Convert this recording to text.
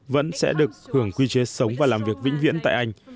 vẫn sẽ được hưởng quy chế sống và làm việc vĩnh viễn tại anh